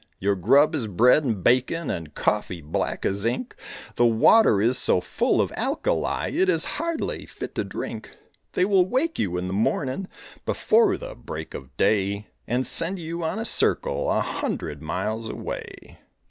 Your grub is bread and bacon And coffee black as ink; The water is so full of alkali It is hardly fit to drink. They will wake you in the morning Before the break of day, And send you on a circle A hundred miles away.